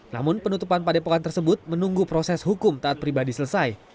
namun penutupan padepokan tersebut menunggu proses hukum taat pribadi selesai